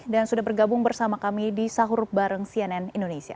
dan sudah bergabung bersama kami di sahurup bareng cnn indonesia